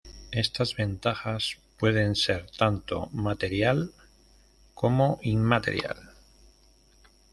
Estas ventajas pueden ser tanto material como inmaterial.